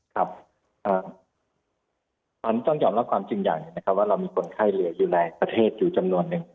ครับตอนนี้ต้องยอมรับความจริงอย่างว่าเรามีคนไข้เหลือยูแลประเทศอยู่จำนวนหนึ่ง